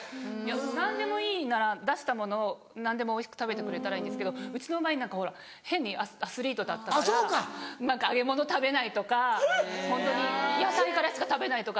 何でもいいなら出したものを何でもおいしく食べてくれたらいいんですけどうちの場合何かほら変にアスリートだったから揚げ物食べないとかホントに野菜からしか食べないとか。